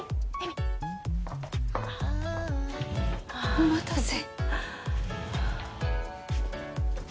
お待たせ。